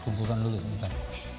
oke kumpulkan dulu sebentar